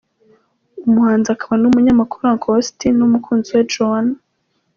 Umuhanzi akaba n’umunyamakuru Uncle Austin n’umukunzi we Joannah.